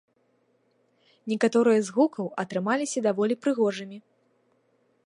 Некаторыя з гукаў атрымаліся даволі прыгожымі.